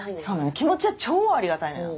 気持ちは超ありがたいのよ。